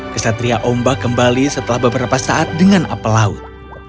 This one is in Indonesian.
kesatria ombak kembali setelah beberapa saat dengan apel laut